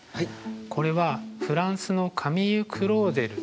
これはフランスのカミーユ・クローデルの彫刻です。